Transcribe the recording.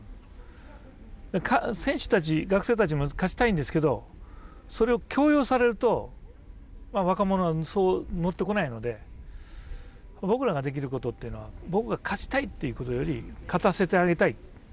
選手たち学生たちも勝ちたいんですけどそれを強要されると若者はそう乗ってこないので僕らができることっていうのは僕が勝ちたいっていうことより勝たせてあげたい。